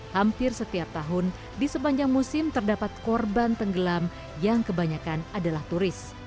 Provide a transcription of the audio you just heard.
hampir setiap tahun di sepanjang musim terdapat korban tenggelam yang kebanyakan adalah turis